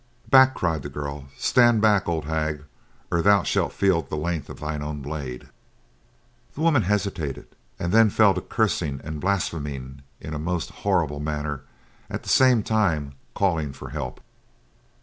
"Back!" cried the girl. "Stand back, old hag, or thou shalt feel the length of thine own blade." The woman hesitated and then fell to cursing and blaspheming in a most horrible manner, at the same time calling for help.